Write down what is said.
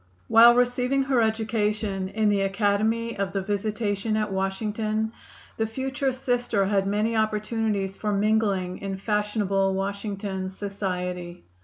While receiving her education in the Academy of the Visitation at Washington the future Sister had many opportunities for mingling in fashionable Washington society.